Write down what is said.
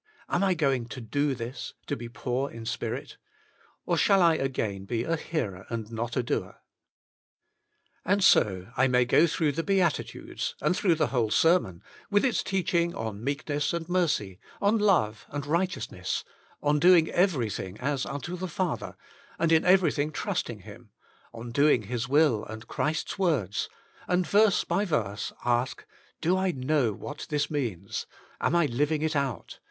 Am I going to Do This — to be poor in spirit? Or shall I again be a hearer and not a doer ? And so I may go through the Beatitudes, and through the whole Sermon, with its teaching on meekness and mercy, on love and righteousness, on doing everything as unto the Father, and in everything trusting Him, on doing His will and Christ's words, and verse by verse ask — Do I know what this means? Am I living it out?